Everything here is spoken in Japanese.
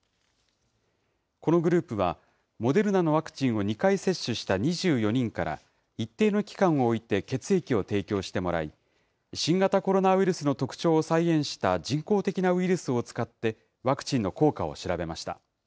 このグループは、モデルナのワクチンを２回接種した２４人から、一定の期間を置いて血液を提供してもらい、新型コロナウイルスの特徴を再現した人工的なウイルスを使って、ワクチンの効果を調べました。